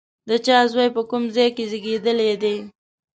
د چا زوی، په کوم ځای کې زېږېدلی دی؟